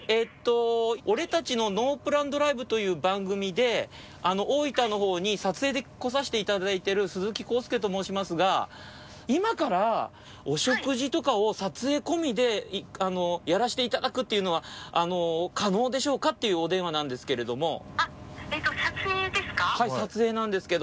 「俺達のノープラン×ドライブ」という番組で大分のほうに撮影で来させていただいてる鈴木浩介と申しますが今からお食事とかを撮影込みでやらせていただくというのは可能でしょうかっていうお電話なんですけれども。